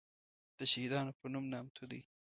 دشهیدانو په نوم نامتو دی.